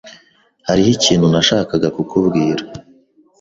Hariho ikintu nashakaga kukubwira.